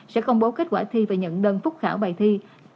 sẽ công bố kết quả thi và nhận đơn phúc khảo bài thi